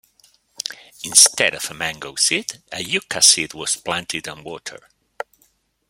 Instead of a mango seed, a yucca seed was planted and watered.